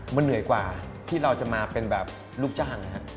มันเหนื่อยกว่าที่เราจะมาเป็นแบบลูกจ้างนะครับ